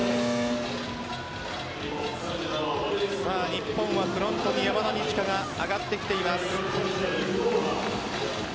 日本はフロントに山田二千華が上がってきています。